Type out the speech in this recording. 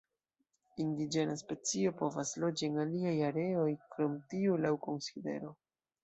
Indiĝena specio povas loĝi en aliaj areoj krom tiu laŭ konsidero.